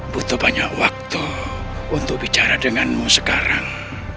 butuh banyak waktu untuk bicara denganmu sekarang